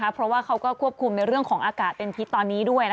เพราะว่าเขาก็ควบคุมในเรื่องของอากาศเป็นพิษตอนนี้ด้วย